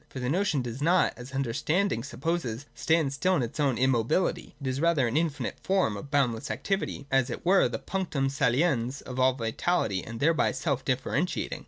For the notion does not, as understanding supposes, stand still in its own immo bility. It is rather an infinite form, of boundless activity, as it were the punctuin saliens of all vitality, and thereby self differentiating.